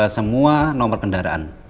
semua nomor kendaraan